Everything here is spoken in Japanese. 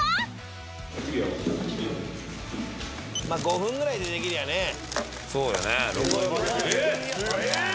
まあ５分ぐらいでできりゃあね。